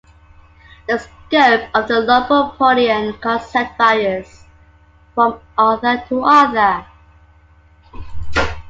The scope of the Lobopodian concept varies from author to author.